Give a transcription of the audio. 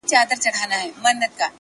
دا سړی څوک وو چي ژړا يې کړم خندا يې کړم’